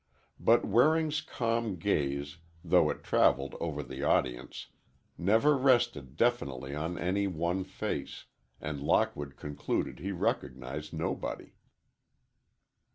But Waring's calm gaze, though it traveled over the audience, never rested definitely on any one face, and Lockwood concluded he recognized nobody.